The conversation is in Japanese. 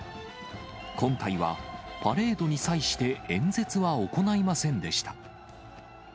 今回は、パレードに際して演説は行いませんでした。